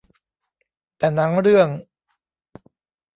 แต่หนังเรื่อง